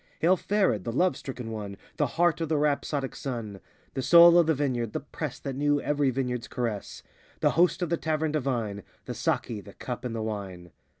Hail, Fared, 1 ' the love stricken one, The heart of the rhapsodic Sun; The soul of the Vineyard, the Press That knew every vineyard's caress: The host of the Tavern divine— The Saki, the Cup, and the Wine.